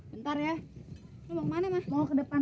bentar ya ke depan